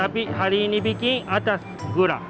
tapi hari ini kita akan membuatnya dengan gula